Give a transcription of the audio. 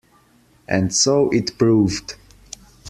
And so it proved.